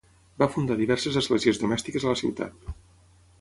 Va fundar diverses esglésies domèstiques a la ciutat.